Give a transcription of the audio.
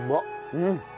うん！